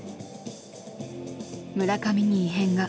村上に異変が。